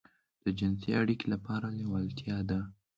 د جنسي اړيکې لپاره لېوالتيا ده.